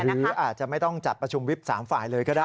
หรืออาจจะไม่ต้องจัดประชุมวิบ๓ฝ่ายเลยก็ได้